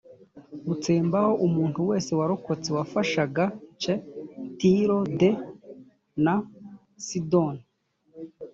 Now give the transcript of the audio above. gutsembaho umuntu wese warokotse wafashagac tiro d na sidoni